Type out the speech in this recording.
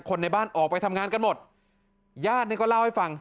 ในบ้านออกไปทำงานกันหมดญาตินี่ก็เล่าให้ฟัง